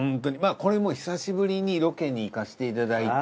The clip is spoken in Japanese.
これも久しぶりにロケに行かせていただいた。